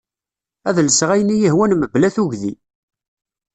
Ad lseɣ ayen iyi-hwan mebla tugdi.